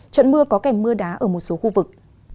trận mưa có kèm mưa đá ở một số khu vực